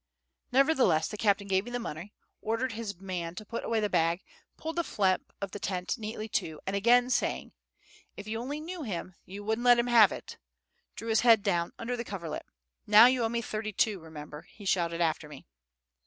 Nevertheless, the captain gave me the money, ordered his man to put away the bag, pulled the flap of the tent neatly to, and, again saying, "If you only knew him, you wouldn't let him have it," drew his head down under the coverlet. "Now you owe me thirty two, remember," he shouted after me.